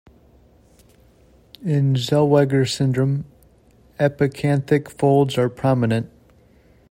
In Zellweger syndrome, epicanthic folds are prominent.